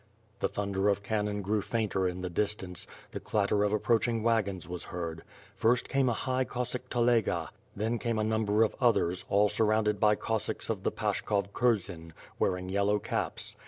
The thunder of cannon grew fainter in the distance, the clatter of approaching wagons was heard. First came a high Cossack telega, then came a number of others, all surrounded by Cossacks of the Pashkov kurzen, wearing yellow caps.